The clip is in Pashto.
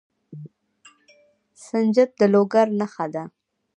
سنجد د لوګر نښه ده.